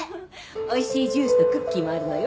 おいしいジュースとクッキーもあるのよ。